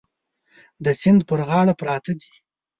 د سیند پر غاړو پراته دي.